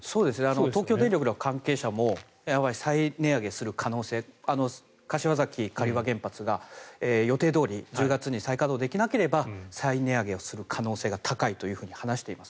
東京電力の関係者も再値上げする可能性柏崎刈羽原発が予定どおり１０月に再稼働できなければ再値上げをする可能性が高いと話しています。